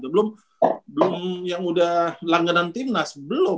belum yang udah langganan timnas belum